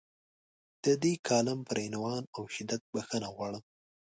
د دې کالم پر عنوان او شدت بخښنه غواړم.